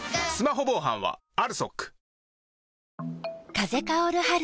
風薫る春。